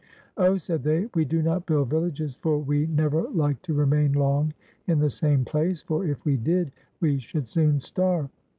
"Oh," said they, "we do not build villages, for we never like to remain long in the same place, for if we did we should soon starve.